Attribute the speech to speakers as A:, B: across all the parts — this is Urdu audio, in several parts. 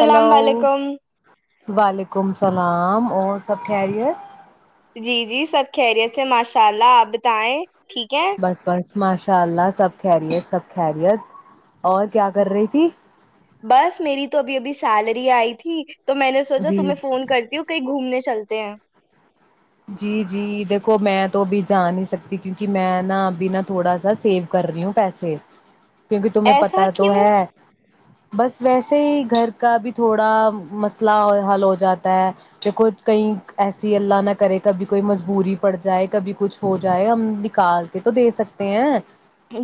A: ہیلو
B: و علیکم
A: وعلیکم اللام اور سب خری ہے
B: جی جی سب خیریت سے ماشاء اللہ آپ بتائیں ٹھیک ہے
A: بس بس ماشاء اللہ سب خیریت سب خیریت اور کیا کر رہی تھی
B: بس میری تو ابھی ابھی سیلری آئی تھی تو میں نے سوچا
A: جی
B: تمہیں فون کرتی ہوں کہیں گھومنے چلتی تین
A: جی جی دیکھو میں تو ابھی جان نہیں سکتی کیونکہ میں نا ابھی نا تھوڑا سا سیو کر رہی ہوں پیسے کیونکہ تمہیں
B: ایسا
A: پتا تو ہے
B: کیوں
A: بس ویسے ہی گھر کا بھی تھوڑا مسئلہ حل ہو جاتا ہے کہ کو کہیں ایسی اللہ نہ کرے کبھی کوئی مجبوری پڑ جائے کبھی کچھ ہو جائے ہم نکال کے تو دے سکتے ہیں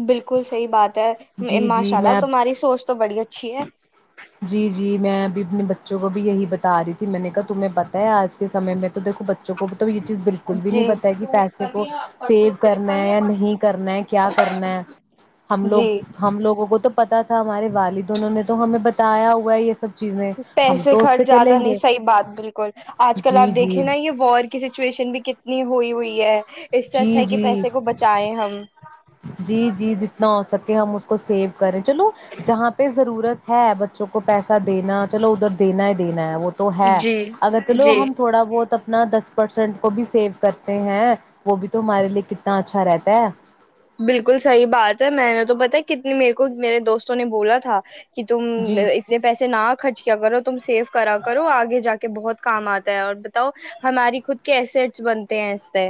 B: بالکل صحیح بات ہے
A: جی جی
B: ماشاء اللہ
A: میں
B: تمہاری سوچ تو بڑی اچھی ہے
A: جی جی میں ابھی اپنے بچوں کو بھی یہی بتا رہی تھی میں نے کہا تمہیں پتاہ ہے آج کے سمے میں تو دیکھو ب بوں کو تو یہ چیز بالکل بھی نہیں
B: جی
A: پتا ہے کہ پیسے کو سیو کرنا ہے یا نہیں کرنا ہے کیا کرنا ہے ہم لوگ
B: جی
A: ہم لوگوں کو تو پتا تھا ہمارے والد دونوں نے تو ہمیں بتایا ہوا ہے یہ سب چیزیں ہم
B: پیسے
A: تو اس پہ
B: خرچ
A: چلیں
B: زیادہ نہیں
A: گے
B: صحیح بات بالکل آج کل آپ
A: جی
B: دیکھیں
A: جی
B: نا یہ وار کی سچویشن بھی کتنی ہوئی ہوئی ہے اس سے اچھا
A: جی
B: ہے کہ
A: جی
B: پیسے کو بچائیں ہم
A: جی جی جتنا ہو سکے ہم اس کو سیو کریں چلو جہاں پہ ضرورت ہے بچوں کو پیسہ دینا چلو ادھر دینا ہی دینا ہے وہ تو ہے
B: جی
A: اگر چلو
B: جی
A: ہم تھوڑا بہت ا نا دس پرسینٹ کو بھی سیو کرتے ہیں وہ بھی تو ہمارے لیے کتنا اچھا رہتا ہے
B: بالکل صحیح بات ہے میں نے تو پتا کتنی میرے کو میرے دوستوں نے بولا تھا کہ تم
A: جی
B: اتنے پیسے نہ خرچ کیا کرو تم سیو کرا کرو آگے جا کے بہت کام آتا ہے اور بتاؤ ہماری خود کے ایسٹس بنتے ہیں اس ط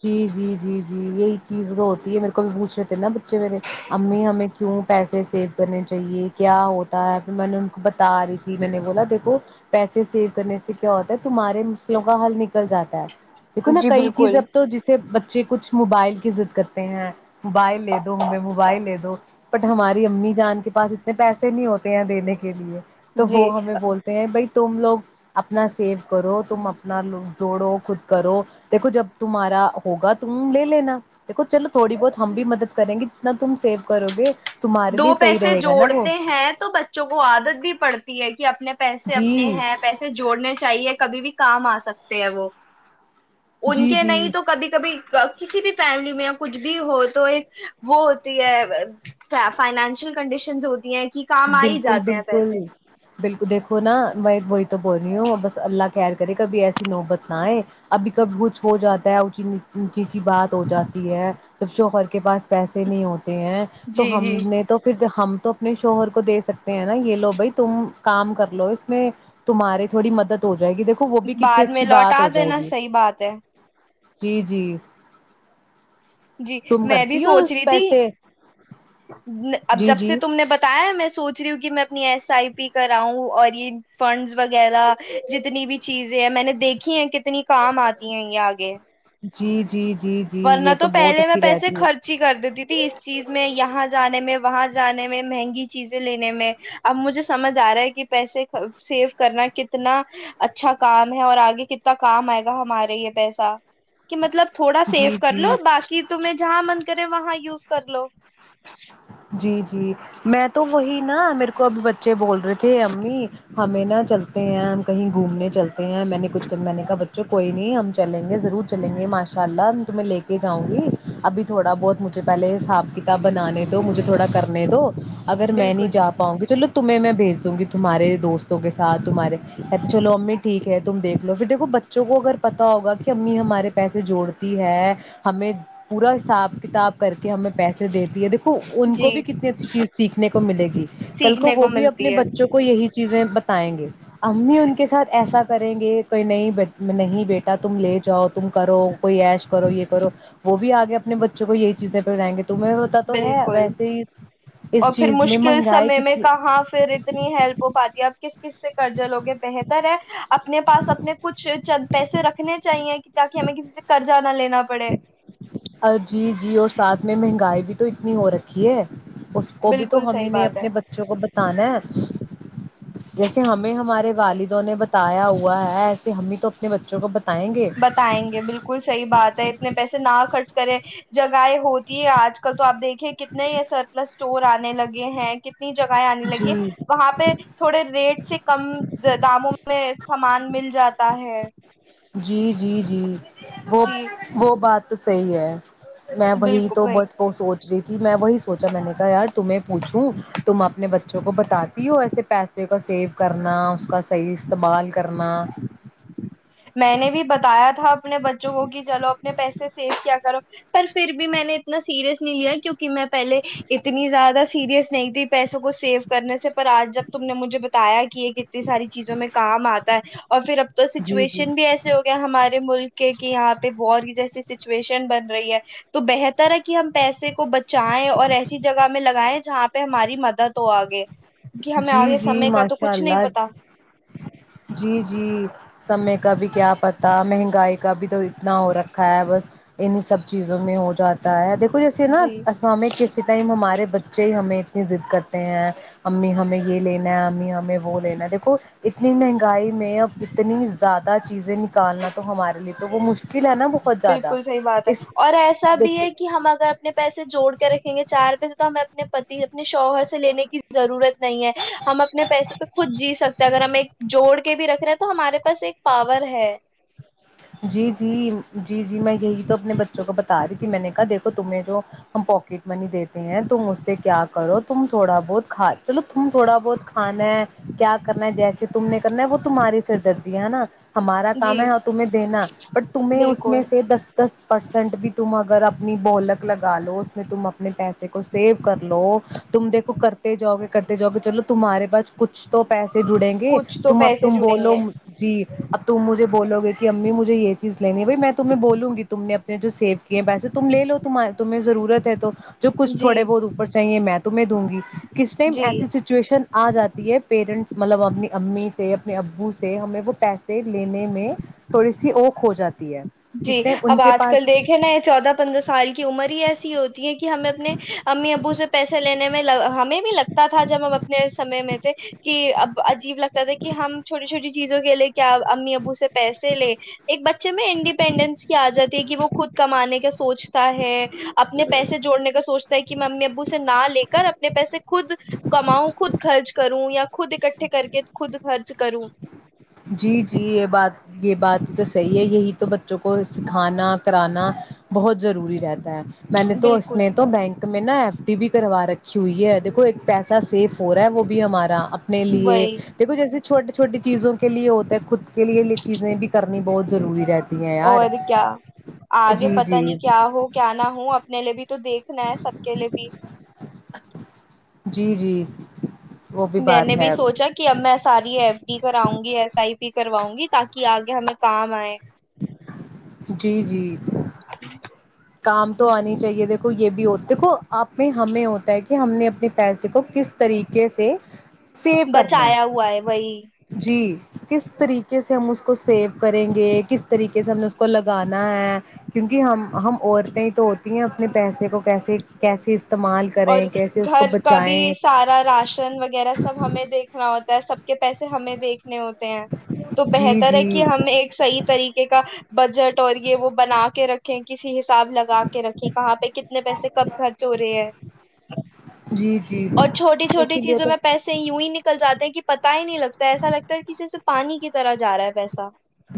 A: جی جی جی جی یہی چیز جو ہوتی ہے میرے کو بھی پوچھ رہے تھے نا بچے میرے امی ہمیں کیوں پیسے سیو کرنے چاہیے کیا ہوتا ہے پھر میں نے ان کو بتا رہی تھی میں نے بولا دیکھو پیسے سیو کرنے سے کیا ہوتا ہے تمہارے مسئلوں کا حل نکل جاتا ہے دیکھو نا
B: جی
A: کئی
B: بالکل
A: چیزیں جسے بچے کچھ موبائل کی ضد کرتے ہیں موبائل لے دو ہمیں موبائل لے دو بٹ ہماری امی جان کے پاس اتنے پیسے نہیں ہوتے ہیں دینے کے لیے تو
B: جی
A: وہ ہمیں بولتے ہیں بھائی تم لوگ اپنا سیو کرو تم اپناوگ جوڑو خود کرو دیکھو جب تمہارا ہوگا تم لے لینا دیکھو چلو تھوڑی بہت ہم بھی مدد کریں گے جتنا تم سیو کرو گے تمہارے لیے
B: دو
A: صحیح
B: پیسے
A: رہے گا نا وہ
B: جوڑتے ہیں تو بچوں کو عادت بھی پڑتی ہے کہ اپنے پیسے
A: جی
B: اپنے ہیں پیسے جوڑنے چاہیے کہ کبھی بھی کام آ سکتے ہیں وہ ان
A: جی
B: کے
A: جی
B: نہیں تو کبھی کبھی کسی بھی فیملی میں یا کچھ بھی ہو تو ایک وہ ہوتی ہے فائنانشیل کنڈیشنز ہوتی ہیں کہ کام آ ہی
A: بالکل
B: جاتے ہیں
A: بالکل
B: پیسے
A: بالکل دیکھو نا میں وہی تو بول رہی ہوں بس اللہ کیئر کرے کبھی ایسی نوبت نہئے ابھی کبھی کچھ ہو جاتا ہے اونچی چیچی بات ہو جاتی ہے جب شوہر کے پاس پیسے نہیں ہوتے ہیں تو
B: جی
A: ہم
B: جی
A: نے تو پھر ہم تو اپنے دے سکتے ہیں نا یہ لو بھائی تم کام کر لو اس میں تمہارے تھوڑی مدد ہو جائے گی دیکھو وہ بھی
B: بعد
A: کتنی
B: میں
A: اچھی بات
B: لوٹا
A: ہو جائے
B: دینا
A: گی
B: صحیح بات ہے
A: جی جی
B: جی
A: تم
B: میں بھی
A: کرتی ہو
B: سوچ رہی تھی
A: پیسے
B: اب
A: جی
B: جب سے
A: جی
B: تم نے بتایا میں سوچ رہی ہوں کہ میں اپنی ایس آئی پی کراؤں اور یہ فنڈس وغیرہ جتنی بھی چیزیں ہیں میں نے دیکھی ہیں کتنی کام آتی ہیں یہ آگے
A: جی جی جی جی
B: ورنہ
A: یہ
B: تو
A: بہت
B: پہلے میں
A: اچھی
B: پیسے
A: رہتی ہے
B: خرچ ہی کر دیتی تھی اس چیز میں یہاں جانے میں وہاں جانے میں مہنگی چیزیں لینے میں اب مجھے سمجھ آ رہا ہے کہ پیسے سیو کرنا کتنا اچھا کام ہے اور آگے کتنا کام آئے گا ہمارے یہ پیسا کہ مطلب تھوڑا
A: جی
B: سیف کر لو
A: جی
B: باقی تمہیں جہاں من کرے وہاں یوز کر لو
A: جی جی میں تو وہی نا میرے کو ابھی بچے بول رہے تھے امی ہمیں نا چلتے ہیں ہم کہیں گھومنے چلتے ہیں میں نے کچھ میں نے کہا بچوں کوئی نہیں ہم چلیں گے ضرور چلیں گے ماشاء اللہ تمہیں لے کے جاؤں گی ابھی تھوڑا بہت مجھے پہلے حساب کا بنانے دو مجھے تھوڑا کرنے دو اگر میں نہیں
B: بالکل
A: جا پاؤں گی چلو تمہیں میں بھیج دوں گی تمہارے دوستوں کے ساتھ تمہارے اچھا چلو امی ٹھیک ہے تم دیکھ لو پھر دیکھو بچوں کو اگر پتاہ ہوگا کہ امی ہمارے پیسے جوڑتی ہے ہمیں پورا حساب کتاب کر کے ہمیں پیسے دی ہے تو ان کو
B: جی
A: بھی کتنی اچھی چیز سیکھنے کو ملے گی کل کو
B: سیکھنے
A: وہ بھی اپنے
B: ملتی ہے
A: بچوں کو یہی چیزیں بتائیں گے ا بھی ان کے ساتھ ایسا کریں گے کہئی نہیں نہیں بیٹا تم لے جاؤ تم کرو کو ایش کرو یہ کرو وہ بھی آگے اپنے بچوں کو یہی چیزیں پ جائیں گے تمہیں ہوتا تو ہے
B: بالکل
A: ویسے ہی
B: اور
A: اس
B: پھر
A: چیز میں
B: مشکل
A: مہنگائی
B: سمے میں
A: کتنی
B: کہاں پھر اتنی ہیلپ ہو پاتی ہے آپ کس کس سے قضہ لوگے بہتر ہے اپنے پاس اپنے کچھ چند پیسے رکھنے چاہیے تاکہ ہمیں کسی سے قرضہ نہ لینا پڑے
A: اب بھی تو اتنی ہو رکھی ہے اس کو بھی تو
B: بالکل
A: ہم
B: صحیح
A: ہی نے
B: بات ہے
A: اپنے بچوں کو بتانا ہے جیسے ہمیں ہمارے والدوں نے بتایا ہوا ہے ایسے ہممی تو اپنے بچوں کو بتا
B: بتائیں گے بالکل صحیح بات ہے اتنے پیسے نہ خرچ کرے جگہیں ہوتی ہے آج کل تو آپ دیکھیں کتنے یہ سر پلس سٹور آ لگے ہیں کہنے نی جگہیں آنے لگی
A: جی
B: وہاں پہ تھوڑے ریٹ سے کم داموں میں سامان مل جاتا ہے
A: جی جی جی وہ
B: جی
A: وہ بات تو صحیح ہے میں وہی تو بس کو سوچ رہی تھی میں وہی سوچا میں نے کہا یار تمہیں پوچھوں تم اپنے بچوں کو بتاتی ہو ایسے پیسے کا سیو کرنا اس کا صحیح استعمال کرنا
B: میں نے بھی بتایا تھا اپنے بچوں کو کہ چلو اپنے پیسے سیو کیا کرو پر پھر بھی میں نے اتنا سیریئس نہیں لیا کیونکہ میں پہلے اتنی زیادہ سیریئس نہیں تھی پیسوں کو سیو کرنے سے پر آج جب تم نے مجھے بتایا کہ یہ کنے ساری چیزوں میں کام آتا ہے اور پھر اپ
A: جی جی
B: سچویشن بھی ایسے ہو گیا ہمارے ملک کے کہ یہاں پہ و کی جیسی سچویشن بن رہی ہے تو بہتر ہے کہ ہم پیسے کو بچائیں اور ایسی جگہ میں لگائےیں جہاں پہ ہماری مدد ہو آگے کہ ہمیں
A: جی
B: آگے
A: جی
B: سمے کا تو
A: ماشاء
B: کچھ نہیں
A: اللہ
B: پتا
A: جی جی سمے کا بھی کیا پتا مہنگائی کا بھی تو اتنا ہو رکھا ہے بس انہیں سب چیزوں میں ہو جاتا ہے دیکھو جیسے نا
B: جی
A: ہمیں کسی ٹائم ہمارے بچے ہی ہمیں اتنی ضد کرتے ہیں امی ہمیں یہ لینا ہے امی ہمیں وہ لینا ہے دیکھو اتنی مہنگائی میں اب اتنی زیادہ چیزیں نکالنا تو ہمارے لیے تو وہ مشکل ہے نا بہت زیادہ
B: بالکل صحیح بات ہے
A: اس
B: اور ایسا بھی
A: دیکھیے
B: ہے کہ ہم اگر اپنے پیسے جوڑ کے رکھیں گے چار روپئے سے تو ہمیں اپنے اپنے پتی اپنے شوہر سے لینے کی ضرورت نہیں ہے ہم اپنے پیسوں پہ خود جی سکتے ہیں اگر ہم ایک جوڑ کے بھی رکھ رہے ہیں تو ہمارے پاس ایک پاور ہے
A: جی جی جی جی میں یہی تو اپنے بچوں کو بتا رہی تھی میں نے کہا دیکھو تم نے جو ہم پواکٹ منی دیتے ہیں تم اس سے کیا کرو تم تھوڑا بہت کھا چلو تم تھوڑا بہت کھانا ہے کیا کرنا ہے جیسے تم نے کرنا ہے وہ تمہاری سردردی ہے نا ہمارا کام
B: جی
A: ہے تمہیں دینا بٹ تمہیں اس میں
B: بالکل
A: سے دس دس پرسینٹ بھی تم اگر اپنی بولک لگا لو اس میں تم اپنے پیسے کو سیو کر لو تم دیکھو کرتے جاؤ گے کرتے جاؤ گے چلو تمہارے پاس کچھ تو پیسے جڑیں گے
B: کچھ تو
A: تم اب
B: پیسے
A: تم
B: جڑیں
A: بولو
B: گے
A: جی اب تم مجھے بولو گ کہ امی مجھے یہ چیز لینی ہے بائی میں تمہیں بولوں گی تم نے اپنے جو سیو کیے پیسے تم لے لو تمہیں ضرورت ہے تو جو کھ
B: جی
A: تھوڑے بہت اوپر چاہیے میں تمہیں دوں گی کس ٹائم
B: جی
A: ایسی سچویشن آ جاتی ہے پیرنٹس مطلب اپنی امی سے اپنے ابو سے ہم نے وہ پیسے لینے میں تھوڑی سی اوکھ ہو جاتی ہے
B: جی
A: کس ٹائم
B: اب
A: ان کے
B: آج
A: پاس
B: کل دیکھے نا یہ چودہ پندرہ سال کی عمر ہی ایسی ہوتی ہے کہ ہمیں اپنے امی ابو سے پیسے لینے میں ہمیں بھی لگتا تھا جب ہم اپنے سمے میں تھے کہ اب عجیب لگتا تھا کہ ہم چھوٹی چھوٹی چیزوں کے لیے کیا امی ابو سے پیسے لے ایک بچے میں ڈپینڈینس کی آ جاتی ہے کہ وہ خود کمانے کا سوچتا ہے اپنے پیسے جوڑنے کا سوچتا ہے کہ میں امی ابو سے نہ لے کر اپنے پیسے خود کماؤں خود خرچ کروں یا خود اکٹھے کر کے خود خرچ کروں
A: جی جی یہ بات یہ بات تو صحیح یہ یہی تو بچوں کو سکھانا کرانا بہت ضروری رہتا میں نے تو اس
B: بالکل
A: نے تو بینک میں نا ایف ڈی بھی کروا رکھی ہوئی ہے دیکھو ایک پیسا سیف ہو رہا ہے وہ بھی ہمارا لیے
B: وہی
A: دیکھو جیسے چھوٹے چھوٹٹی چیزوں کے لیے ہوتے ہے خود کے لیے یہ چیزیں بھی کرنی بہت ضروری رہتی ہے
B: اور کیا آگے پتا
A: جی
B: نہیں کیا ہو کیا نہ ہو اپنے لیے بھی تو دیکھنا ہے سب کے لیے بھی
A: جی جی وہ
B: میں
A: بات
B: نے بھی
A: ہے
B: سوچا کہ اب میں ساری ایف ڈی کراؤں گی ایس آئی پی کرواؤں گی تاکہ آگے ہمیں کام آئے
A: جی جی
B: ا
A: کام تو آنی چاہیے دیکھو یہ بھی ہو دیکھو آپ میں ہمیں ہو ہے کہ ہم نے اپنے پیسے کو کس طریقے سے سیو کرنا
B: بچایا ہوا ہے وہی
A: جی کس طریقے سے ہم اس کو سیو کریں گے کس طریقے سے ہم نے اس کو لگانا ہے کیونکہ ہم ہم عورتیں تو ہوتی ہیں اپنے پیسے کو کیسے کیسے استعمال
B: اور
A: کریں کیسے اس کو
B: گھر کا بھی
A: بچائیں
B: سارا راشن وغیرہ سب ہمیں دیکھنا ہوتا ہے سب کے پیسے ہمیں دیکھنے ہوتے ہیں تو
A: جی
B: بہتر ہے
A: جی
B: کہ ہم ایک صحیح طریقے کا بجٹ اور یہ وہ بنا کے رکھیں ک حساب لگا کے رکھے کہاں پہ کتنے پیسے کب خھرچ ہو رہے ہیں
A: جی جی
B: اور چھوٹی چھوٹی
A: اسی لیے
B: چیزوں
A: تو
B: میں پیسے یوں ہی نکلتے جے ہیں کہ پ [unintelligible] ہی نہیں لگتا ایسا لگتا ہے کسی سے پانی کے طرح جا رہا ہے پیسا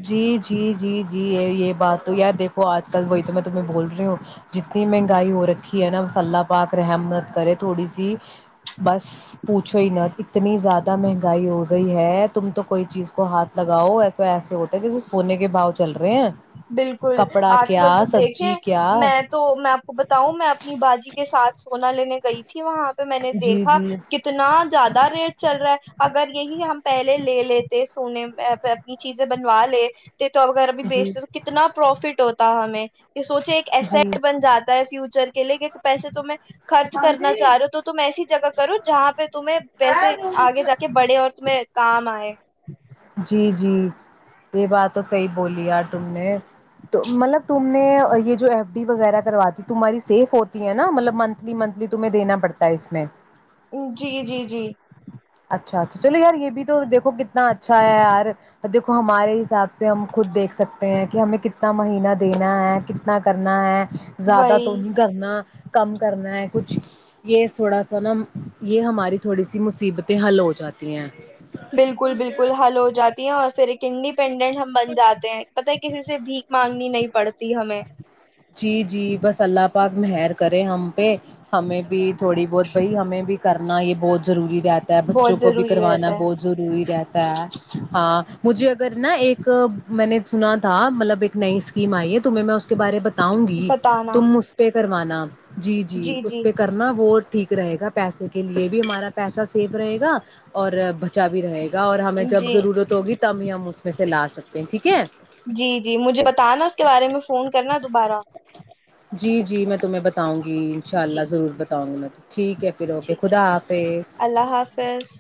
A: جی جی جی جی یہ یہ بات تو یار دیکھو آج کل وہی تو میں تمہیں بول رہی ہوں جتنی مہنگائی ہو رکھی ہے نا مس اللہ پاک رحم مت کرے تھوڑی سی بس پوچھو ہی نہ اتنی زیادہ مہنگائی ہو گئی ہے تم تو کوئی چیز کو ہاتھ لگاؤ ای تو ایسا ہوتا ہے جیسے سونے کے باؤ چل رہے ہیں
B: بالکل
A: کپڑا
B: آج
A: کیا
B: کل تو
A: سبزی
B: دیکھیں
A: کیا
B: میں تو میں آپ کو بتاؤں میں اپنی باجی کے ساتھ سونا لینے کا گئی تھی وہاں پہ میں نے
A: جی
B: دیکھا
A: جی
B: کتنا زیادہ ریٹ چل رہا ہے اگر یہی ہم پہلے لے لیتے سونے اپنی چیزیں بنوا لے ت تو وغیرہ بھی
A: جی
B: بیچ س اتنا پروف فٹ ہوتا ہمیں کہ سوچے ایک ایسٹ بن جاتا ہے فیوچر کے لیے کہ پیسے تم خرچ کرنا چاہ رہے ہو تو تم ایسی جگہ کرو جہاں پہ تمہیں پیسے آگے
A: جی
B: جا کے بڑھے اور تمہیں کام آئے
A: جی جی یہ بات تو صحیح بولی یار تم نے مطلب تم نے یہ جو ایف ڈی وغیرہ کرواتی تمہاری سیف ہوتی ہے نا مطلب منتھلی منتلی تمہیں دینا پڑتا ہے اس میں
B: جی جی جی
A: اچھا اچھا چلو یار یہ بھی تو دیکھو کتنا اچھا ہے یار دھو ہمارے حساب سے ہم خود دیکھ سکتے ہیں کہ ہمیں کتنا مہینہ دینا ہے کتنا کرنا ہے زیادہ
B: وہی
A: تو نہیں کرنا کم کرنا ہے کچھ یہ تھوڑا سا نا یہ ہماری تھوڑی سی مصیبت حل ہو جاتی ہیں
B: بالکل بالکل حل ہو جاتی ہے اور پھر ایک کنی ڈپینڈنٹ ہم بن جاتے ہیں پتہ کسی سے بھیک مانگنی نہیں پڑتی ہمیں
A: جی جی بس اللہ پاک مہر کرے ہم پہ ہمیں بھی تھوڑی بہت بھائی ہمیں بھی کرنا یہ بہت ضروری رہتا ہے
B: بہت
A: بچوں کو بھی
B: ضروری
A: کروانا
B: رہتا ہے
A: بہت ضروری رہتا ہے ہاں مجھے اگر نا ایک میں نے سنا تھا مطلب نئی اسکم آئی ہے تمہیں میں اس کے بارے بتاؤں گی
B: بتانا
A: تم اس پہ کروانا جی جی اس پہ کرنا وہ ٹھیک رہے گا پیسے کے لیے بھی ہمارا پیسہ سیف رہے گا اور بچا بھی رہے گا اور ہمیں جب
B: جی
A: ضرورت ہوگی تب ہی ہم اس میں سے لا سکتے ہیں ٹھیک ہے
B: جی جی مجھے بتانا اس کے بارے میں فون کرنا دوبارہ
A: جی جی میں تمہیں بتاؤں گی ج اننشاء اللہ
B: جی
A: ضرور بتاؤں گی میں تو ٹھیک ہے پھر اوکے
B: ٹھیک
A: خدا حافظ
B: اللہ حافظ